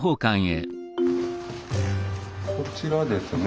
こちらですね